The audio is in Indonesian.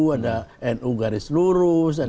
ada nu garis lurus